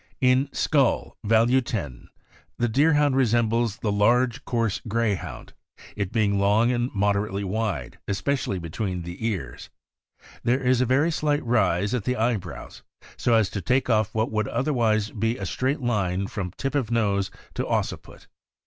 In skull (value 10), the Deerhound resembles the large, coarse Greyhound, it being long and moderately wide, especially between the ears. There is a very slight rise at the eyebrows, so as to take off what would otherwise be a straight line from tip of nose to occiput.